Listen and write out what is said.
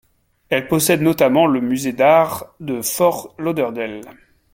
Elle possède notamment le musée d'art de Fort Lauderdale.